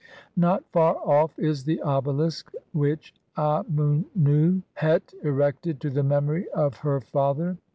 Not far off is the obelisk which Amunoo het erected to the memory of her father.